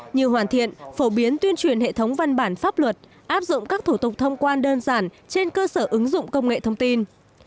như hoàn thiện phổ biến tuyên truyền hệ thống văn bản pháp luật áp dụng các thủ tục thông quan đơn giản trên cơ sở ứng dụng công nghệ thông tin